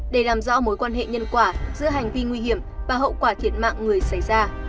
để làm rõ mối quan hệ nhân quả giữa hành vi nguy hiểm và hậu quả thiệt mạng người xảy ra